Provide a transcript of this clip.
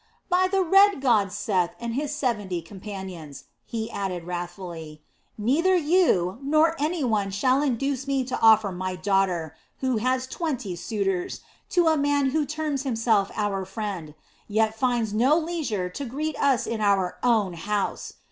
"By the red god Seth, and his seventy companions," he added wrathfully, "neither you, nor any one shall induce me to offer my daughter, who has twenty suitors, to a man who terms himself our friend, yet finds no leisure to greet us in our own house!